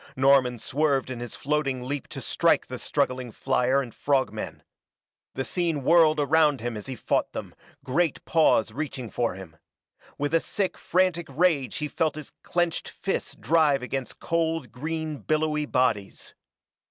Norman swerved in his floating leap to strike the struggling flier and frog men. The scene whirled around him as he fought them, great paws reaching for him. With a sick, frantic rage he felt his clenched fist drive against cold, green, billowy bodies.